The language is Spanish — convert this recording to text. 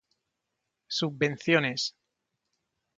Subvenciones